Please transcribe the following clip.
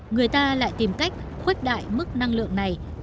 người ta lại tìm cách khuếch đại mức năng lượng này